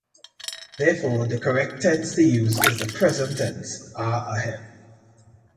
Therefore, the correct tense to use is the present tense "are ahead."